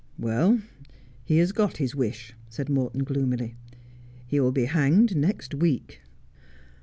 ' Well, he has got his wish,' said Morton gloomily. ' He will be hanged next week.'